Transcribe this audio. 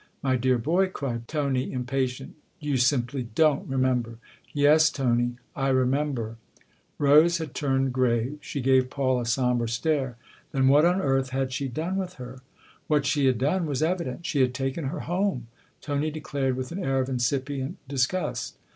"My dear boy," cried Tony, impatient, "you simply don' I remember." "Yes, Tony. I remember." 248 THE OTHER HOUSE Rose had turned grave she gave Paul a sombre stare. " Then what on earth had she done with her ?"" What she had done was evident : she had taken her home !" Tony declared with an air of incipient disgust.